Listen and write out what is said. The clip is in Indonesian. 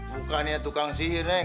bukannya tukang sihir neng